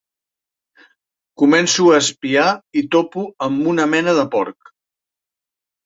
Començo a espiar i topo amb una mena de porc.